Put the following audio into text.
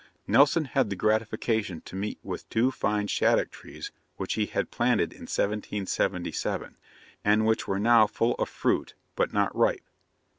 Nelson had the gratification to meet with two fine shaddock trees which he had planted in 1777, and which were now full of fruit, but not ripe.